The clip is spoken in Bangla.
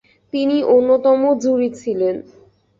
তিনি অন্যতম জুরি ছিলেন ।